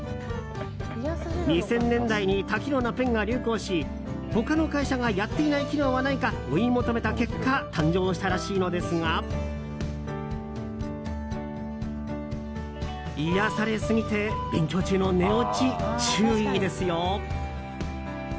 ２０００年代に多機能なペンが流行し他の会社がやっていない機能はないか追い求めた結果誕生したらしいのですが癒やされすぎて勉強中の寝落ち注意ですよ！